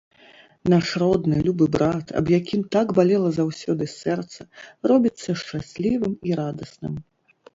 Наш родны, любы брат, аб якім так балела заўсёды сэрца, робіцца шчаслівым і радасным.